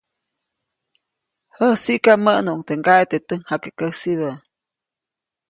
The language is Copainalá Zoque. Jäsiʼka, mäʼnuʼuŋ teʼ ŋgaʼe teʼ täjkjakekäsibä.